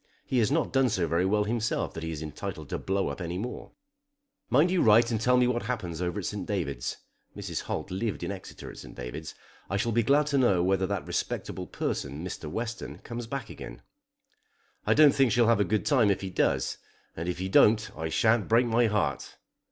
He has not done so very well himself that he is entitled to blow up anyone. "Mind you write and tell me what happens over at St. David's." (Mrs. Holt lived in Exeter at St. David's.) "I shall be glad to know whether that respectable person, Mr. Western, comes back again. I don't think she'll have a good time if he does, and if he don't I sha'n't break my heart."